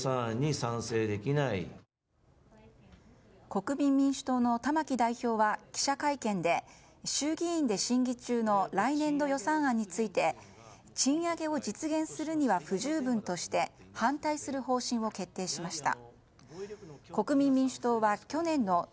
国民民主党の玉木代表は記者会見で衆議院で審議中の来年度予算案について賃上げを実現するには不十分として反対する方針を決定しました。